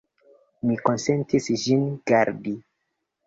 Mi konsentis ĝin gardi.